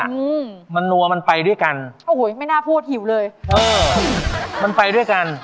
อืมมันนัวมันไปด้วยกันโอ้โหไม่น่าพูดหิวเลยเออมันไปด้วยกัน